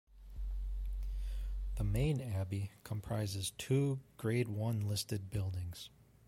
The main abbey comprises two Grade One listed buildings.